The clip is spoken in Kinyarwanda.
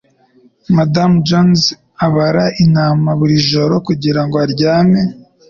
Madamu Jones abara intama buri joro kugirango aryame.